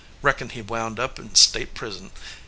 Reckon he wound up in state prison.